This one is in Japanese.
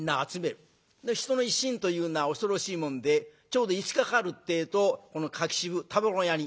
人の一心というのは恐ろしいもんでちょうど５日かかるってえとこの柿渋タバコのヤニ